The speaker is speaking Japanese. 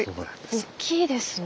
おっきいですね。